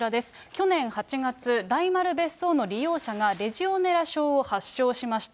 去年８月、大丸別荘の利用者がレジオネラ症を発症しました。